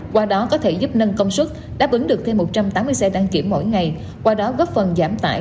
qua đó có thể giúp nâng công suất đáp ứng được thêm một trăm tám mươi xe đăng kiểm mỗi ngày qua đó góp phần giảm tải